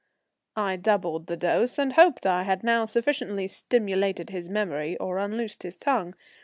I doubled the dose, and hoped I had now sufficiently stimulated his memory or unloosed his tongue.